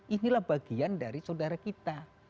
inilah bagian dari saudara kita